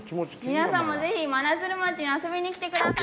皆さんも是非真鶴町に遊びに来て下さい！